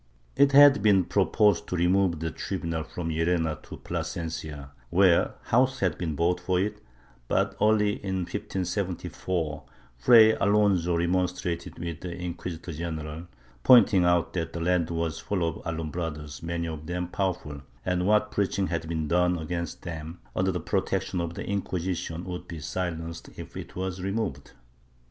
It had been proposed to remove the tribunal from Llerena to Plasencia, where houses had been bought for it, but, early in 1574, Fray Alonso remonstrated with the inquisitor general, pointing out that the land was full of Alumbrados, many of them powerful, and what preaching had been done against them, under the pro tection of the Inquisition, would be silenced if it was removed.